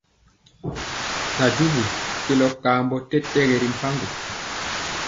Najubu kelɔ kambɔ tɛtɛgi ri mpaŋgo.